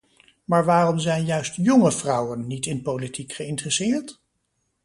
Maar waarom zijn juist jonge vrouwen niet in politiek geïnteresseerd?